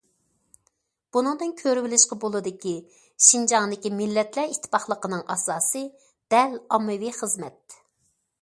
بۇنىڭدىن كۆرۈۋېلىشقا بولىدۇكى، شىنجاڭدىكى مىللەتلەر ئىتتىپاقلىقىنىڭ ئاساسى دەل ئاممىۋى خىزمەت.